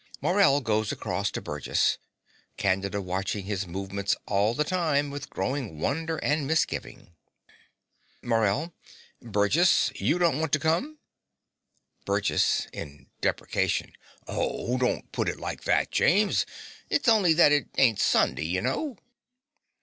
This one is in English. Morell goes across to Burgess, Candida watching his movements all the time with growing wonder and misgiving.) MORELL. Burgess: you don't want to come? BURGESS (in deprecation). Oh, don't put it like that, James. It's only that it ain't Sunday, you know.